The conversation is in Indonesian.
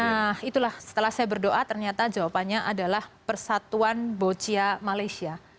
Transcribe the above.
nah itulah setelah saya berdoa ternyata jawabannya adalah persatuan boccia malaysia